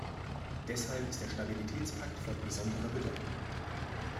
Deshalb ist der Stabilitätspakt von besonderer Bedeutung.